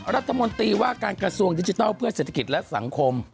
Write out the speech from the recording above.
รัฐมนตรีว่าการกระทรวงดิจิทัลเพื่อเศรษฐกิจและสังคม